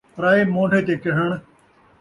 پرائے مون٘ڈھے تے چڑھݨ